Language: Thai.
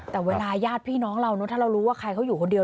แต่เวลาญาติพี่น้องเราถ้าเรารู้ว่าใครเขาอยู่คนเดียว